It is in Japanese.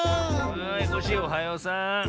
はいコッシーおはようさん。